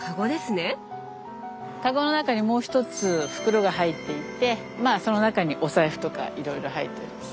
かごの中にもう１つ袋が入っていてまあその中にお財布とかいろいろ入ってるんです。